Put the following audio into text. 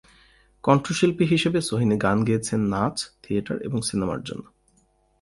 কন্ঠশিল্পী হিসেবে, সোহিনী গান গেয়েছেন নাচ, থিয়েটার এবং সিনেমার জন্য।